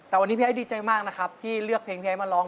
แต่วันนี้พี่ไอ้ดีใจมากนะครับที่เลือกเพลงพี่ไอ้มาร้อง